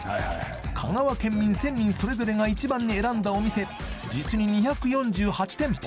香川県民１０００人それぞれが一番に選んだお店実に２４８店舗